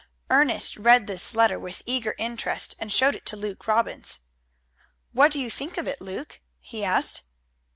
Ernest read this letter with eager interest, and showed it to Luke Robbins. "What do you think of it, Luke?" he asked.